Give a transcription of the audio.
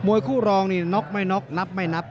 วยคู่รองนี่น็อกไม่น็อกนับไม่นับ